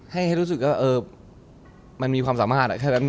ให้รู้สึกว่ามันมีความสามารถ